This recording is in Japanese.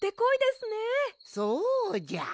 そうじゃ。